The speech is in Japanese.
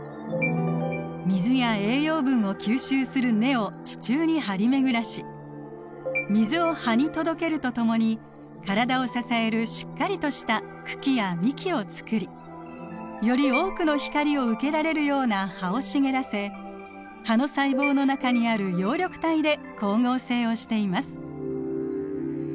水や栄養分を吸収する根を地中に張り巡らし水を葉に届けるとともに体を支えるしっかりとした茎や幹を作りより多くの光を受けられるような葉を茂らせ葉の細胞の中にある葉緑体で光合成をしています。